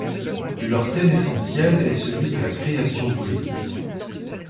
Leur thème essentiel est celui de la création poétique.